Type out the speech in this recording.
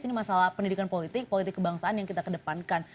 ini masalah pendidikan politik politik kebangsaan yang kita kedepankan